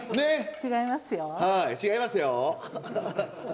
「違いますよ」。